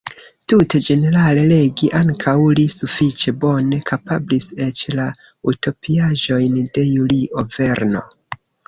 Tute ĝenerale legi ankaŭ li sufiĉe bone kapablis, eĉ la utopiaĵojn de Julio Verno.